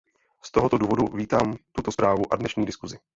Z tohoto důvodu vítám tuto zprávu a dnešní diskusi.